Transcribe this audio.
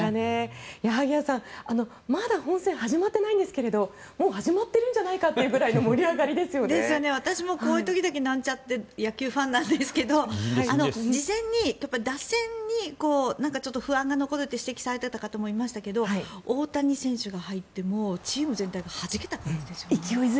萩谷さん、まだ本戦始まってないんですがもう始まってるんじゃないかというぐらいの私もこういう時だけなんちゃって野球ファンなんですけど事前に打線にちょっと不安が残るって指摘されていた方もいましたが大谷選手が入ってチーム全体がはじけた感じですよね。